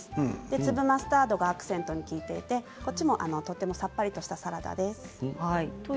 粒マスタードがアクセントが効いていてこちらもとってもさっぱりとしたサラダです。